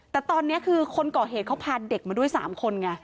แต่ตอนนี้คือคนก่อเหตุเขาพาเด็กมาด้วย๓คนไง